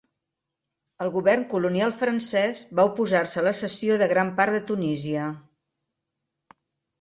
El govern colonial francès va oposar-se a la cessió de gran part de Tunisia.